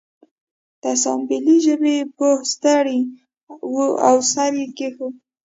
د اسامبلۍ ژبې پوه ستړی و او سر یې کیښود